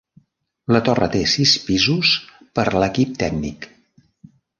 La torre té sis pisos per l'equip tècnic.